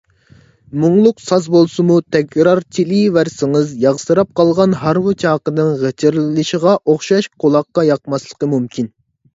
مۇڭلۇق ساز بولسىمۇ تەكرار چېلىۋەرسىڭىز، ياغسىراپ قالغان ھارۋا چاقىنىڭ غىچىرلىشىغا ئوخشاش قۇلاققا ياقماسلىقى مۇمكىن.